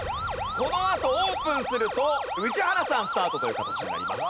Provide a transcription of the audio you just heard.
このあとオープンすると宇治原さんスタートという形になります。